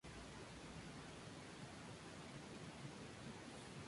En la actualidad es comentarista deportivo para la televisión.